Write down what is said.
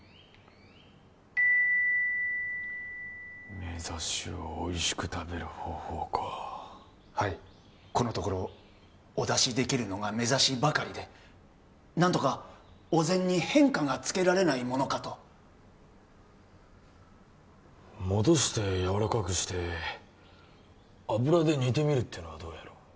メザシをおいしく食べる方法かはいこのところお出しできるのがメザシばかりで何とかお膳に変化がつけられないものかと戻して軟らかくして油で煮てみるっていうのはどうやろ？